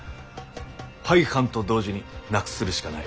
廃藩と同時になくするしかない。